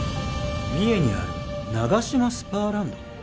三重にあるナガシマスパーランド？